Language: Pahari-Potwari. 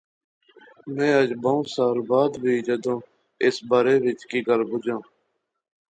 میں اج بہوں سال بعد وی جدوں اس بارے وچ کی گل بجاں